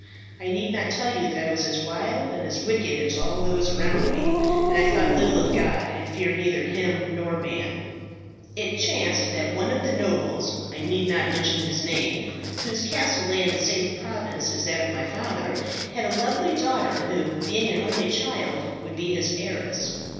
I need not tell you that I was as wild and as wicked as all those around me; that I thought little of God, and feared neither Him nor man. "It chanced that one of the nobles I need not mention his name whose castle lay in the same province as that of my father, had a lovely daughter, who, being an only child, would be his heiress.